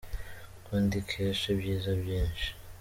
Kuko ndikesha ibyiza byinshi.